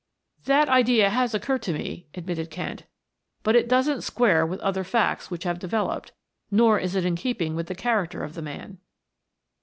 "That idea has occurred to me," admitted Kent. "But it doesn't square with other facts which have developed, nor is it in keeping with the character of the man."